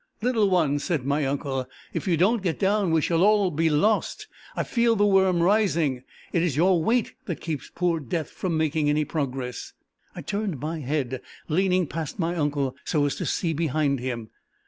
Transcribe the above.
"Little one," said my uncle, "if you don't get down we shall all be lost. I feel the worm rising. It is your weight that keeps poor Death from making any progress." I turned my head, leaning past my uncle, so as to see behind him.